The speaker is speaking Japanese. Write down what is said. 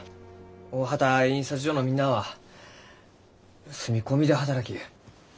大畑印刷所のみんなは住み込みで働きゆう。